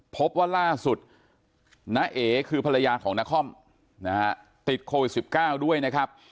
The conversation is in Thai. พบว่าล่าสุดน้าเอ๋คือภรรยาของนครนะฮะติดโควิด๑๙ด้วยนะครับ